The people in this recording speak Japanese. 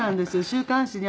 週刊誌に。